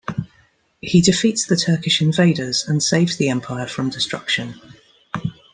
He defeats the Turkish invaders and saves the Empire from destruction.